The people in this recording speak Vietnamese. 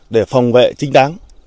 để phòng vệ chính đáng